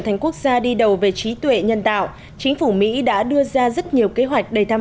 thành quốc gia đi đầu về trí tuệ nhân tạo chính phủ mỹ đã đưa ra rất nhiều kế hoạch đầy tham